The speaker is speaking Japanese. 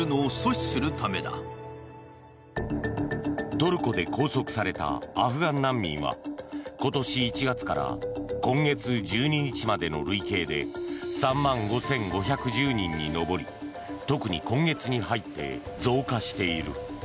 トルコで拘束されたアフガン難民は今年１月から今月１２日までの累計で３万５５１０人に上り特に今月に入って増加している。